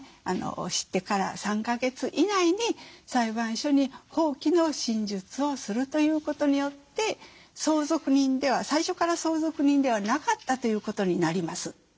知ってから３か月以内に裁判所に放棄の申述をするということによって最初から相続人ではなかったということになります。